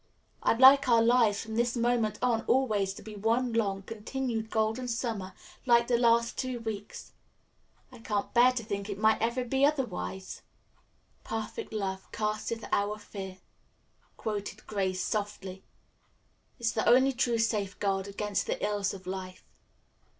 I'd like our lives from this moment on always to be one long, continued Golden Summer like the last two weeks. I can't bear to think that it might ever be otherwise." "'Perfect love casteth out fear,'" quoted Grace softly. "It's the only true safeguard against the ills of life.